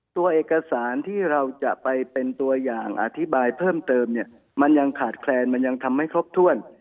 ตัวเอกสารที่เราจะไปเป็นตัวอย่างอธิบายเพิ่มเติมเนี่ยมันยังขาดแคลนมันยังทำไม่ครบถ้วน